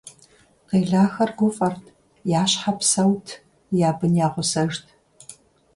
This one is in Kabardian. Къелахэр гуфӀэрт, я щхьэ псэут, я бын я гъусэжт.